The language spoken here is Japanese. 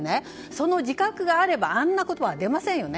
その自覚があればあんな言葉は出ませんよね。